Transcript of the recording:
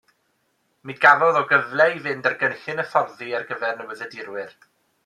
Mi gafodd o gyfle i fynd ar gynllun hyfforddi ar gyfer newyddiadurwyr.